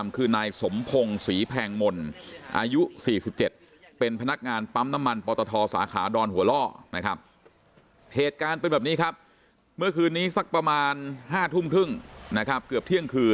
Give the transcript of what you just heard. คนร้ายก็เลยตัดสินใจทิ้งจักรยานยนต์เอาไว้แล้วก็วิ่งหนีไปจากนู้นดอนหัวล่อมาถึงพานทองสภพทองเข้ามาตรวจสอบที่เกิดเหตุ